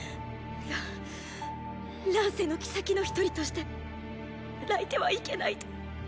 ら乱世の后の一人として泣いてはいけないと。